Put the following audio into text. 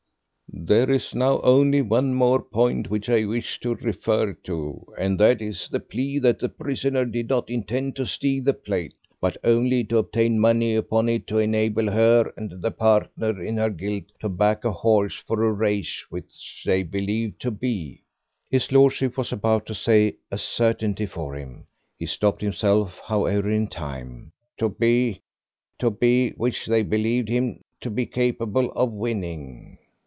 "There is now only one more point which I wish to refer to, and that is the plea that the prisoner did not intend to steal the plate, but only to obtain money upon it to enable her and the partner in her guilt to back a horse for a race which they believed to be " his Lordship was about to say a certainty for him; he stopped himself, however, in time "to be, to be, which they believed him to be capable of winning.